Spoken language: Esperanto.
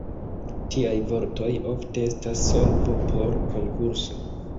Tiaj vortoj ofte estas solvo por konkurso.